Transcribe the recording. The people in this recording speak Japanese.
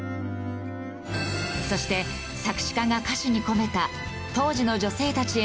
そして作詞家が歌詞に込めた当時の女性たちへのメッセージとは？